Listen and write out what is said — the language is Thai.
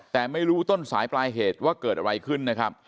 แต่ไม่รู้ต้นสายปลายเหตุว่าเกิดอะไรขึ้นนะครับ